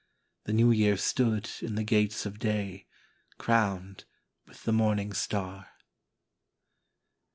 The New Year stood in the gates of day, Crowned with the morning star.